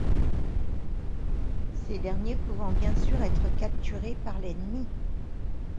Ces derniers pouvant bien sûr être capturés par l'ennemi.